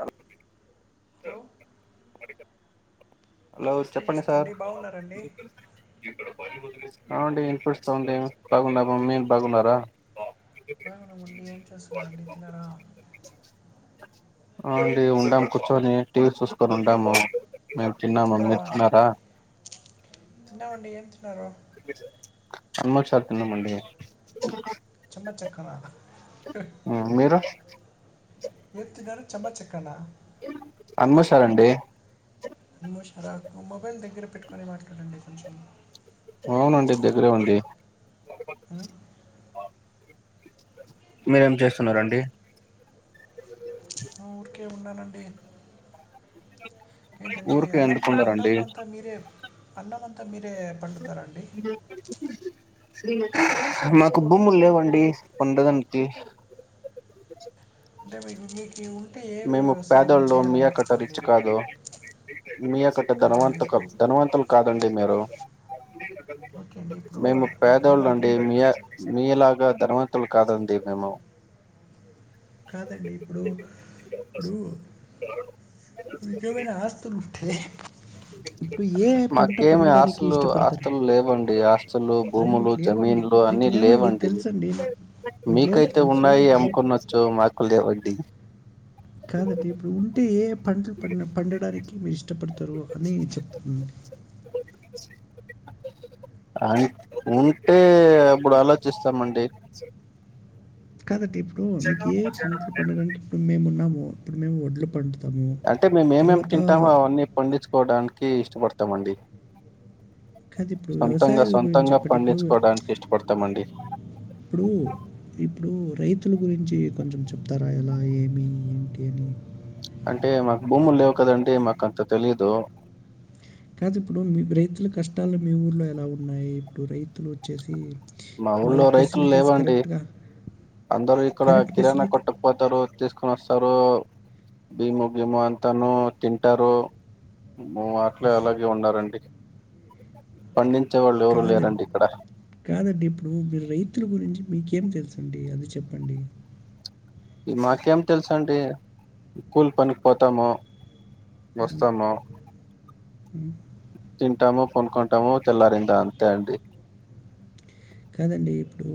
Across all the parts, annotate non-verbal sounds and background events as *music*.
అ hello hello చెప్పండి sir వినిపిస్తుందండి బాగున్నారండి అవుండి వినపడుతుంది బాగున్నము మీరు బాగున్నారా? బ మనమండి ఏం చేస్తున్నారండి తిన్నరా? అవుండి ఉండాము కూర్చొని టీవీ చూసుకొని ఉండాము. మేము తిన్నాము మీరు తిన్నారా? తిన్నామండి ఏం తిన్నారు? అమసార్ తిన్నామండి చెమ్మచక్కల హ్ ఉమ్, మీరు ఏం తిన్నారు చమ్మచక్కల? అమ్మసారండి ఆమ్మో షరాకు మొబైల్ దగ్గర పెట్టుకొని మాట్లాడండి కొంచెం అవునండి దగ్గరే ఉంది ఉం? మీరేం చేస్తున్నరండి? ఊరికే ఉన్నానండి ఏంటండి ఊరికే అన్నం అన్నం ఎందుకున్నారండి అంతా మీరే అన్నం అంతా మీరే పండుతారండి స మాకు భూములు లేవండి పండదానికి దమండి మేము పేదళ్లు మీయా కట్ట రిచ్చి కాదు మీయక్కట్ట కాదండి ఇప్పుడు ధనవంతుకం ధనవంతులు కాదండి మీరు. ఓకే అండి ఇప్పుడు మేము ఇప్పుడు పేదవాళ్ళు మీరు అండి మీయా మీలా గా ధనవంతులు కాదండి మేము కాదండి ఇప్పుడు ఇప్పుడూ మీకేమైనా ఆస్తులుంటే ఇప్పుడు ఏ పంట మాకేమి పండడానికి ఇష్టపడ్తర్ లు భూములు, జమీన్లు అన్ని లేవండి. తెలుసండి మీకు లేవు మీకైతే తెలుసు ఉన్నాయి ఇప్పుడు అమ్ముకొనచ్చు మాకు లేవండి. కాదండి ఇప్పుడు ఉంటే ఏ పంటలు పన్ పండడానికి మీ ఇష్టపడ్ తరు అని చెప్తున్నండి అయి ఉంటే అప్పుడు ఆలోచిస్తామండి. కాదండి ఇప్పుడు మీకే పంటలు పండడానికి ఇప్పుడు మేమున్నాము ఇప్పుడు మేము వడ్ల పన్ అంటే మేం ఏమేం తింటామో అవన్నీ పండిచ్కోవడానికి ఇష్టపడతామండి. కాదు ఇప్పుడు సొంతంగ వ్యవసాయాల గురించి సొంతంగా చెప్పండి పండిచ్చుకోడానికి ఇష్టపడతామండి. ఇప్పుడూ ఇప్పుడూ రైతుల గురించి కొంచం చెప్తారా ఎలా, ఏమి, ఏంటి అని. అంటే మల్ భూముల్ లేవు కదండి మాకంత తెలీదు. కాదు ఇప్పుడు మీ రైతుల కష్టాలు మీ ఊర్లో ఎలా ఉన్నాయి ఇప్పుడు రైతులు వచ్చేసీ మా ఊళ్లో రైతుల్ లేవండి అందరు ఇక్కడ కరెక్ట్ కిరాణా ఫెసిలిటీ కొట్టక్ పోతారు తీస్కొన్ వస్తారూ భీము, గీము అంతాను తింటారు. మ్ అట్లే అలాగే ఉన్నారండి పండిం చేవాళ్ళు ఎవరు కాదు లేరండి ఇక్కడ కాదండి ఇప్పుడు మీ రైతుల గురించి మీకేం తెల్సండి అది చెప్పండి. ఈ మాకేం తెల్సండి కూల్ పనిక్ పోతాము. వస్తాము ఉమ్. తింటాము, కొనుకుంటాము, తెల్లారిందా అంతే అండి కాదండి ఇప్పుడూ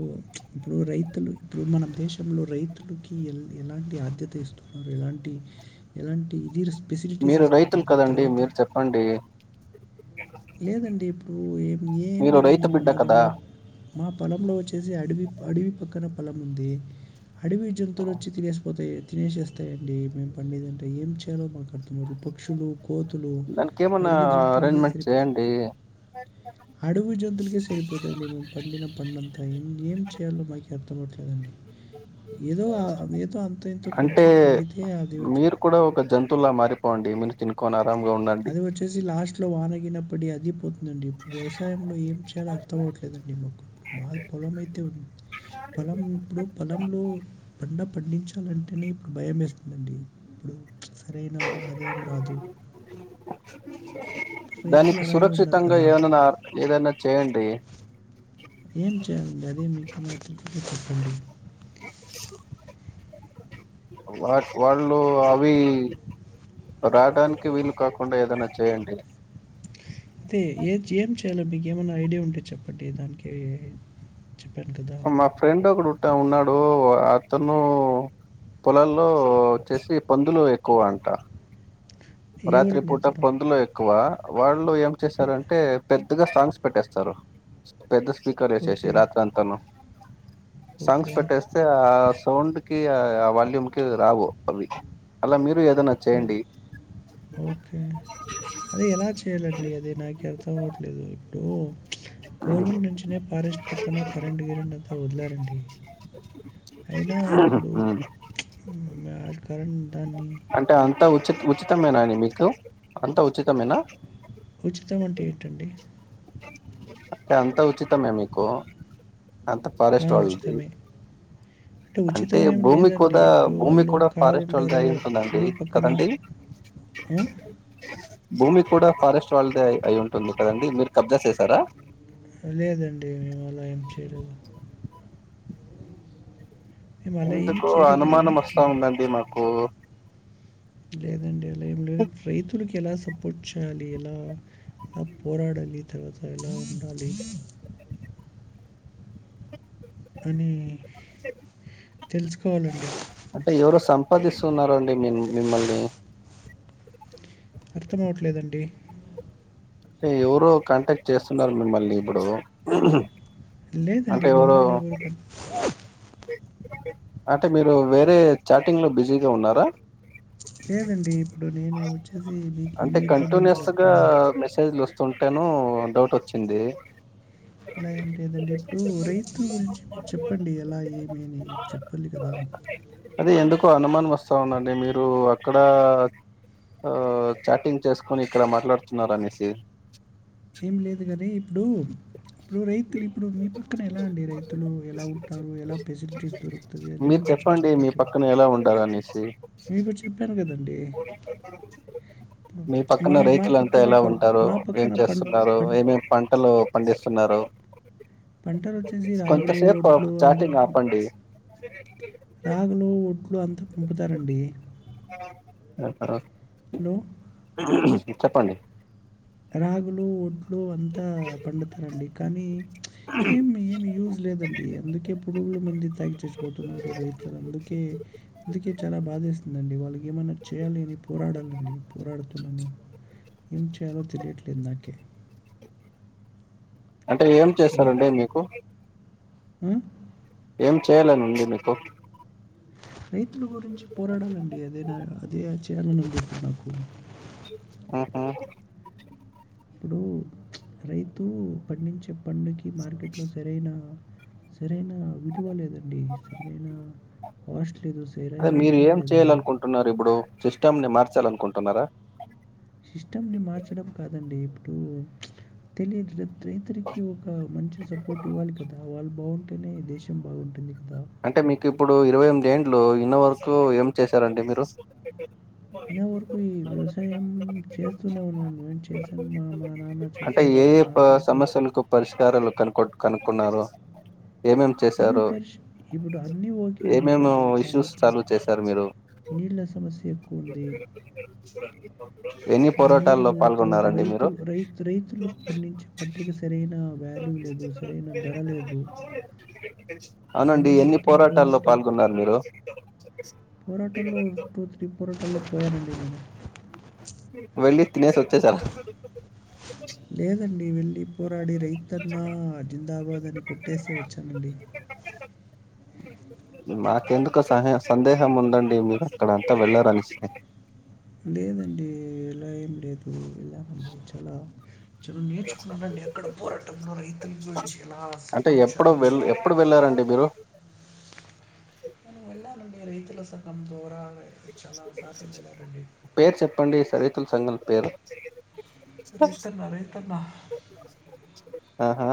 ఇప్పుడు రైతులు ఇప్పుడు మనం దేశంలో రైతులకి ఎ ఎలాంటి యాధ్యత ఇస్తున్నారు ఎలాంటి ఎలాంటి ఇది ఫెసిలిటీస్ మీరు రైతులు ఇస్తున్నారు కదండి తర్వాత మీరు చెప్పండి. లేదండి ఇప్పుడూ ఏం ఏం మీరు లేదండి రైతు ఇప్పుడు బిడ్డ మాది కదా మా మా పొలంలో వచ్చి వచ్చేసి అడవి అడవి పక్కన పొలం ఉంది అడవి జంతువులు వచ్చి తినేసి పోతే తినేసేస్తాయి అండి మేం పండిదింటే ఏం చేయాలో మాక్ అర్ధమవ్వదు పక్షులు కోతులు, దానికి ఏమన్నా అడవి జంతులకి అరేంజ్మెంట్ సరిప చేయండి అడవి జంతువులకే సరిపోతయండి మేం పండిన పంట అంత ఆ ఇంగేం చేయాలో మాకి అర్థమవ్వట్లేదండి. ఏదో అవేదో అంతో ఇంతో అంటే కొంచం పండితే ఆదివచ్చు పోండి మీరు తినుకోనార్ అది వచ్చేసి లాస్ట్లో వాన గీన పడి అది పోద్ దండి వ్యవసాయంలో ఏం చేయాలో అర్థం అవ్వట్లేదండి మాకు మాక్ పొలం అయితే ఉంది. పొలం ఇప్పుడు పొలంలో పంట పండించాలంటేనే ఇప్పుడు భయమేస్తుందండి ఇప్పుడు సరైన ఆదాయం రాదు రైతులు దానికి అలాగే ఉన్నారు సురక్షితంగా కదా ఏననార్ ఏదన్న చేయండి. ఏం చేయాలండి అదే మీకు తెలిస్తే చెప్పండి. *inaudible* వాక్ వాళ్లు అవీ రావడానికి వీలు కాకుండా ఏదన్న చేయండి. అదీ ఏద్ ఏం చేయాలో మీకేమన్నా ఐడియా ఉంటే చెప్పండి దానికీ అ మా ఫ్రెండ్ ఒకడు ఉట్ట ఉన్నాడూ అతను పొలంల్లో చేసి పందులు ఎక్కువంట ఏ రాత్రి ఊరండి పూట అతను పందులు ఎక్కువ వాళ్ళు ఏం చేశారంటే పెద్ ద్ద సాంగ్స్ పెట్టేస్తారు పెద్ద స్పీకర్ ఎశేషి ఓకే రాత్రంతాను ఓకే సాంగ్స్ పెట్టేస్తే ఆ సౌండ్ కి ఆ వాల్యూమ్ కి రావు అవి అలా మీరు ఏదన్నా ఓ చేయండి ఓకే అదే ఎలా చేయాలండి అది నాకి అర్థం అవట్లేదు ఇప్పుడు గవర్నమెంట్ నుంచినే పారెస్ట్ పక్కన కరెంటు గిరంటూ అంత వదిలారండి అయినా ఇప్పుడు *unintelligible* కరణ్ అంటే అంత ఉచిత్ ఉచితమేనా అండి మీకు అంత ఉచితమేనా ఉచితం అంటే ఏంటండి అంటే అంత ఉచితమే మీకు అంత ఆ, ఫారెస్ట్ వాళ్ది ఉచితమే అంటే ఉచితం ఏమి లేదండి ఇప్పుడు భూమి వాళ్ళు కూడా కావలి ఫారెస్ట్ వాళ్ళది ఉంటారు అయి ఉంటుందండి ఊరు పక్కన కదండి ఉ భూమి కూడా ఫారెస్ట్ వాళ్ళదే అయి ఉంటుంది కదండి మీరు కబ్జా చేసారా లేదండి మేము అలా ఏం చేయలేదు మేము అలా ఏం ఎందుకో చేయలేదు కానీ అనుమానం వస్తా మ్, ఉందండి మాకు లేదండి అలా ఏం లేదు రైతులకి ఎలా సపోట్ చేయాలి ఎలా ఎలా పోరాడాలి తర్వాత ఎలా ఉండాలి అని తెలుసుకోవాలండి ఉపాదిస్తున్నారండి మిం మిమ్మల్ని అర్థం అవట్లేదండి టే ఎవరో కాంటాక్ట్ చేస్తున్నారు మిమ్మళ్ళీ ఇప్పుడు అంటే లేదండి ఎవరో మమ్మల్ని ఎవరు పట్ అంటే మీరు వేరే చాటింగ్లో బిజీగా ఉన్నారా లేదండి ఇప్పుడు నేను వచ్చేసి మీకు అంటే మీతోనే కంటిన్యూస్ గా మాట్లాడుతున్నానండి మెసేజ్లు వస్తుంటేనూ డౌట్చ్చింది అలా ఏం లేదండి ఇప్పుడు రైతుల గురించి మీరు చెప్పండి ఎలా ఏమి అని చెప్పాలి కదా అదే ఎందుకో అనుమానం వస్తా ఉందండి మీరు అక్కడ ఆ చాటింగ్ చేసుకొని ఇక్కడ మాట్లాడుతున్నారనేసి ఏం లేదు గని ఇప్పుడు ఇప్పుడు రైతులు ఇప్పుడు మీ ప పక్కన ఎలా అండి రైతులు ఎలా ఉంటారు ఎలా ఫెసిలిటీస్ దొరుకుతది అదే అని కొంచెం చెప్పండి ఉంటారనేషి మీను చెప్పాను గద్ మీ మా పక్కన మా రైతులంతా పక్కన ఎలా ప ఉంటారు మా ఏం పక్కన పం చేస్తున్నారు పం ఏమేమి పంటలు పండి స్తున్నారు పంటలు వచ్చేసి రాగులు కొంతసేపు వడ్లు అవన్నీ చాటింగ్ ఆపండి సరే రాగులు ఒడ్లు అంతా పంపుతారండి హలో చెప్పండి రాగులు ఒడ్లు అంతా పండుతారండి కానీ ఏమి ఏమి యూస్ లేదండి అందుకే పురుగుల మంది తాగి చచ్చిపోతున్నారు రైతులు అందుకే అందుకే చాలా బా దేస్తుందండి వాళ్ళకి ఏమన్నా చేయాలి అని పోరాడాలండి పోరాడుతున్నాను ఎం చ్ చేయలో తెలిట్లేద్ నాకే అంటే ఏం చేస్తారండి మీకు అ ఏం చేయాలనుంది మీకు రైతుల గురించి పోరాడాలండి అదేనా అదే చేయాలనుంది ఇప్పుడ్ నాకు ఉహ్ ఇప్పుడు రైతు పండించే పండకి మార్కెట్లో సరైన సరైన విలువ లేదండి సరైన కాస్ట్ లేదు అదే సరైన మీరు విలువ ఏం చెయాల లేదండి అనుకుంటున్నారు ఇప్పుడు సిస్టమ్ని మార్చాలనుకుంటున్నారా సిస్టమ్ ని మార్చడం కాదండి ఇప్పుడు తెలియదు రైతురికి ఒక మంచి సపోర్ట్ ఇవ్వాలి కదా వాళ్ళు బాగుంటేనే దేశం బాగుంటుంది కదా అంటే మీకు ఇప్పుడు ఇరవై ఎనిమిది ఏండ్లు ఇన్నో వరకు ఏం చేశారండి మీరు ఇన్న వరకు ఈ వ్యవసాయం చేస్తూనే ఉన్నాను ఏం చేశాను మా మా నాన్న అంటే చేస్తారు ఏ ఏ సమస్యలకు పరిష్కా కొట్ కనుక్కున్నారు ఏమేమేం ఏ చేశారు పరిష్ ఇప్పుడు అన్నీ ఓకే అండి ఏమేమో కొంచెం కానీ ఇష్యూస్ ఇప్పుడు సాల్వ్ చేశారు మీరు నీళ్ళ సమస్య ఎక్కువ ఎన్ని తర్ పోరాటాల్లో నీళ్లు తర్వాత పాల్గొన్నారండి మీరు రైతులు రై రైతులు పండించే పంటకి సరైన వాల్యూ లేదు సరైన ధర లేదు అనండి అవన్నీ ఎన్ని మొత్తం పోరాటాల్లో పాల్గొన్నారు మీరు పోరాటంల్లో టూ త్రీ పోరాటాల్లో పోయానండి నేను వెళ్ళి తినేసి వచ్చేసారా పడి పోరాడి రైతన్న అజిందాబాద్ అని కొట్టేసే వచ్చానండి బ మాకెందుకో సహ సందేహం ఉందండి మీరు అక్కడంతా వెళ్ళారనిస్తే లేదండి ఎలా ఏం లేదు వెళ్ళామండి చాలా చను నేర్చుకున్నానండి ఎక్కడ పోరాటంలో రైతుల గురించి ఎలా సపోర్ట్ చేయాలి అండి మీరు నేను వెళ్ళనండి రైతుల సంగం దూరవే పేర్ చెప్పండి రైతుల సంఘల్ పేరు రైతన్న రైతన్న ఆహా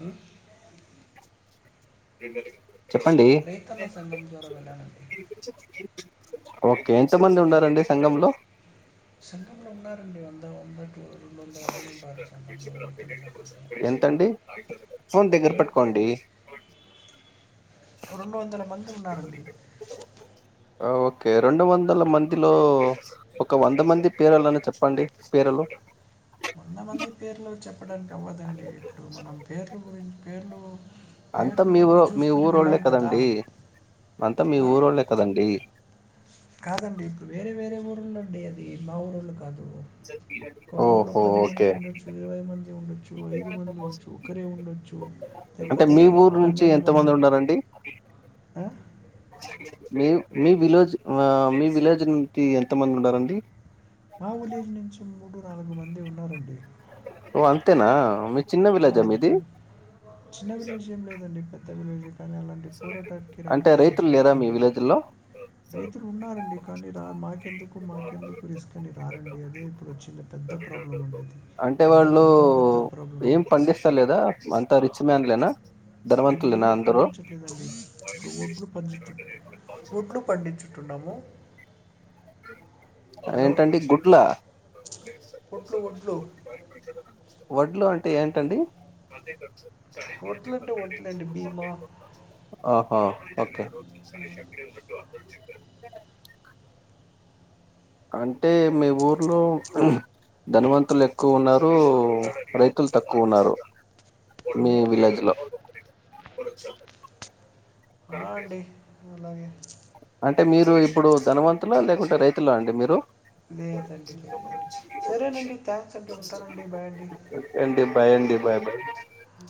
ఉమ్ చెప్పండి రైతన్న సంఘం ద్వారా వెళ్ళానండి ఓకే ఎంతమంది ఉండారండి సంఘంలో సంఘంలో ఉన్నారండి వంద వంద టు రెండ్ వందల మంది ఉండారు సంగంల్లో రైతుల సంగంలో ఎంతండి ఫోన్ దగ్గర పెట్టుకోండి ఉ రొండు వందల మంది ఉన్నారండి అ ఓకే రెండు వందల మందిలో ఒక వంద మంది పేరలని చెప్పండి పేరలు వంద మంది పేర్లు చెప్పడానికి అవ్వదండి ఇప్పుడు మనం పేర్లు గురించ్ పేర్లు అంతా పేర్లు మీ ఊవొ మీ చూసుకొని ఊరోళ్ళే వెళ్ళాం కదా కదండీ అంతా మీ ఆ? ఊరోళ్ళే కదండి కాదండి ఇప్పుడు వేరే వేరే ఊర్ళ అండి అది మా ఊరోళ్లు కాదు ఒక ఊర్లో ఓహో పది మంది ఓకే ఉండొచ్చు ఇరవై మంది ఉండొచ్చు ఐదు మంది ఉండొచ్చు ఒకరే ఉండొ అంటే మీ ఊరు నుంచి ఎంత మంది ఉన్నారండి ఉ మీ మీ విలేజ్ అ మీ విలేజ్ నుంచి ఎంతమంది ఉండారండి మా విలేజ్ నుంచి మూడు నాలుగు మంది ఉన్నారండి ఓ అంతేనా మి అంతే చిన్న విలేజ్ ఏం లేదండి పెద్ద విలె కానీ అలాంటి పోరాటాకి రాడ్ అంటే కరా రైతులు చాలా లేరా మీ మంది విలేజ్ లో రైతులు ఉన్నారండి కానీ రా మాకెందుకు మాకెందుకు రిస్క్ అని రారండి అదే ఇప్పుడు వచ్చిన పె ద్ద ప్రాబ్లం అండేది అంటే వాళ్ళు ఏం పండిస్త లేదా అంత రిచ్ మ్యాన్లేనా ధనవంతులేనా అందరు లేదండి ఒడ్లు పండి ఒడ్లు పండించుటున్నాము ఏంటండి గుడ్ల వడ్లు వడ్లు వడ్లో అ అంటే ఏంటండి వడ్లు అంటే వడ్లండి భీమా ఓ ఒ ఓకే అంటే మీ ఊర్లో ధనవంతులు ఎక్కువ ఉన్నారు రైతులు తక్కువ ఉన్నారు మీ ఉమ్, విలేజ్ లో ఆ అండి అలాగే అంటే మీరు ఇప్పుడు ధనవంతులా లేకుంటే రైతులా అండి మీరు లేదండి లేదండి సరేనండి థ్యాంక్స్ అండి ఉంటానండి బాయ్ అండి ఎం బఏ అండి బ ఆ